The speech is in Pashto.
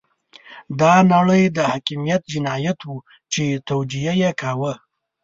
دا د نړۍ د حاکميت جنايت وو چې توجیه يې کاوه.